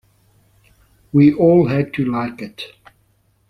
We all had to like it.